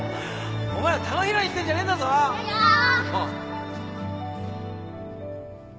お前ら球拾いに来てんじゃねえんだぞもう